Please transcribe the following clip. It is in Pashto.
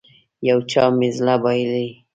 يو چا مې زړه بايللی.